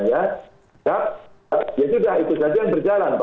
ya itu sudah berjalan